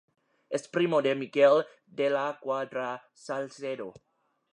Es primo de Miguel de la Quadra-Salcedo.